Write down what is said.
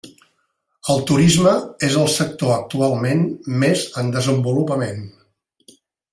El turisme és el sector actualment més en desenvolupament.